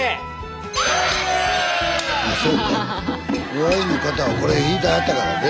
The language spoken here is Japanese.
於愛の方はこれ弾いてはったからで。